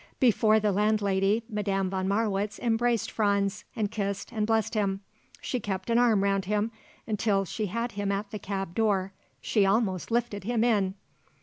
Before the landlady Madame von Marwitz embraced Franz and kissed and blessed him. She kept an arm round him till she had him at the cab door. She almost lifted him in.